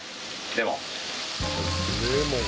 レモン。